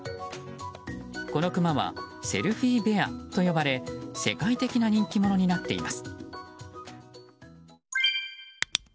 このクマはセルフィーベアと呼ばれ世界的な人気者になっています。